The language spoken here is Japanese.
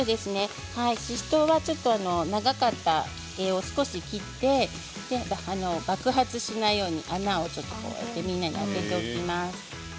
ししとうは長かったら少し切って爆発しないように穴を開けます。